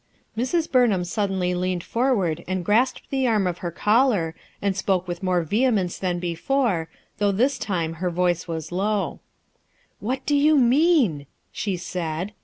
Sirs. Burnham suddenly leaned forward and grasped the arm of her caller, and spoke with more vehemence than before, though this time her voice was low. "What do you mean?" she said.